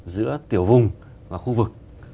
giữa tiểu vùng và khu vực